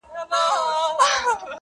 • بد مرغۍ وي هغه ورځ وطن وهلی -